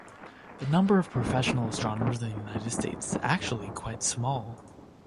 The number of professional astronomers in the United States is actually quite small.